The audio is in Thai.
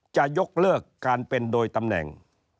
จะยกเลิกการเป็นโดยตำแหน่ง